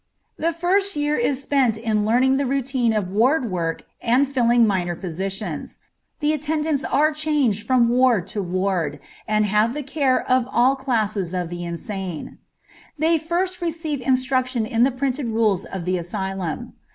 The first year is spent in learning the routine of ward work and filling minor positions. The attendants are changed from ward to ward, and have the care of all classes of the insane. They first receive instruction in the printed rules of the asylum.